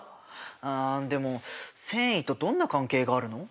あでも繊維とどんな関係があるの？